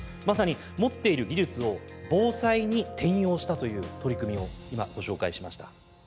まさに持っている技術を防災に転用したという取り組みを今ご紹介しました。